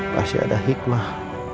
pasti ada hikmah